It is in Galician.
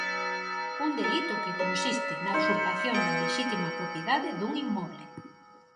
Un delito que consiste na usurpación da lexítima propiedade dun inmoble.